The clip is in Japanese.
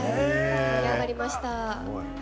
盛り上がりました。